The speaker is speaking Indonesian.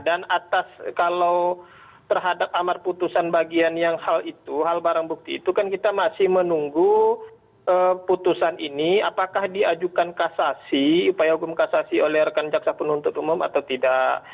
dan atas kalau terhadap amar putusan bagian yang hal itu hal barang bukti itu kan kita masih menunggu putusan ini apakah diajukan kasasi upaya hukum kasasi oleh rekan jaksa penuntut umum atau tidak